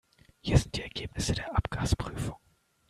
Hier sind die Ergebnisse der Abgasprüfung.